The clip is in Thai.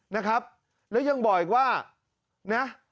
นะครับแล้วยังบอกอีกว่านะ